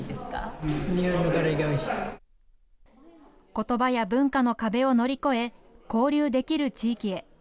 ことばや文化の壁を乗り越え、交流できる地域へ。